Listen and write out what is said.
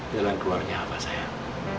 jalan keluarnya apa sayang